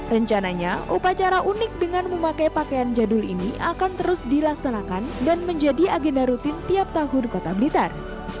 rencananya upacara unik dengan memakai pakaian jadul ini akan terus dilaksanakan dan menjadi agenda rutin tiap tahun kota blitar